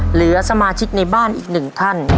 เหลือสมาชิกในบ้านอีกหนึ่งท่าน